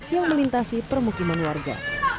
yang melintasi permukiman warga